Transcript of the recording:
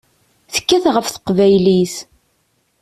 Tekkat ɣef teqbaylit.